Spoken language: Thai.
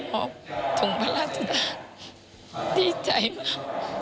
พอถุงพระราชทธาตุดีใจมาก